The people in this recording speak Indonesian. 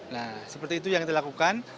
nah seperti itu yang kita lakukan